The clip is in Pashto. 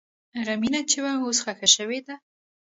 هغه مینه چې وه، اوس ښخ شوې ده.